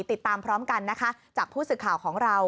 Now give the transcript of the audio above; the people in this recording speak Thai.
ติดตามทรอบกันจากผู้สื่อข่าวของเรา